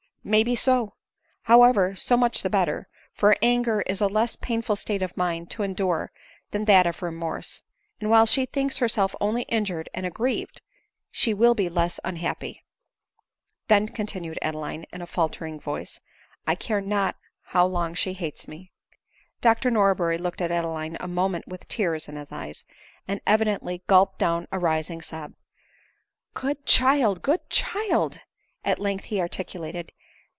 " May be so. However, so much the better ;, for anger is a less painful state of mind to endure than that of remorse; and while she thinks herself only bjured and aggrieved, she will be less unhappy." " Then," continued Adeline in a faltering voice, " I care not how long she hates me." Dr Norberry looked at Adeline a moment with tears ADELINE MOWBRAY. 131 in his eyes, and evidently gulped down a rising sob. " Good child ! good child !" he at length articulated.